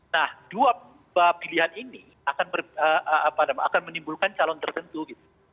nah dua pilihan ini akan menimbulkan calon tertentu gitu